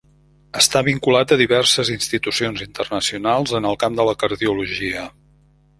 Està vinculat a diverses institucions internacionals en el camp de la cardiologia.